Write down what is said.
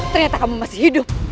ternyata kamu masih hidup